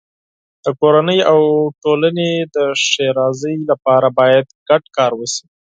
د کورنۍ او ټولنې د ښېرازۍ لپاره باید ګډ کار وشي.